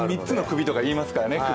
３つの首とかいいますからね